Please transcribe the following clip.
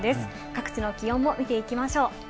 各地の気温を見ていきましょう。